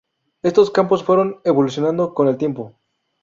Estos campos fueron evolucionando con el tiempo.